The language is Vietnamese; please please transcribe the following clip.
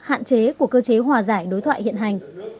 hạn chế của cơ chế hòa giải đối thoại hiện hành